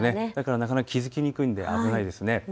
なかなか気付きにくいので危ないです。